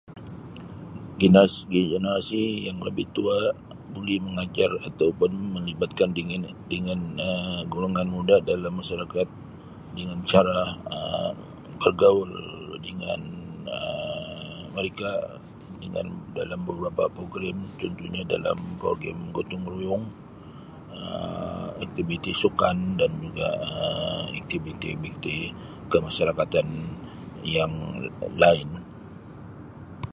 Gen-generasi yang lebih tua buli mengajar ataupun melibatkan dengan dengan Um golongan muda dalam masyarakat dengan cara Um bergaul dengan Um mereka dengan beberapa program contohnya dalam program gotong-royong Um aktiviti sukan dan juga Um aktiviti viti kemasyarakatan yang lain.